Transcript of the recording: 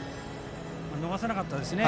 逃さなかったですね。